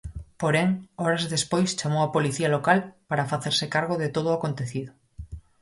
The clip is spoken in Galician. Porén, horas despois chamou a policía local para facerse cargo de todo o acontecido.